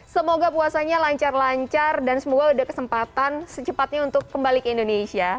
semoga puasanya lancar lancar dan semoga udah kesempatan secepatnya untuk kembali ke indonesia